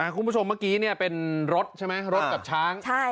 คุณผู้ชมเมื่อกี้เป็นรถใช่ไหมรถกับช้าง